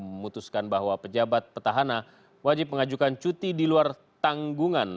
memutuskan bahwa pejabat petahana wajib mengajukan cuti di luar tanggungan